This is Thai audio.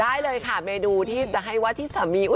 ได้เลยค่ะเมนูที่จะให้ทามี